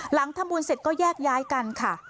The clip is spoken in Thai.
หลังทำบุญเสร็จก็แยกย้ายกันค่ะ